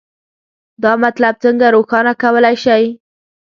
دا مطلب څنګه روښانه کولی شئ؟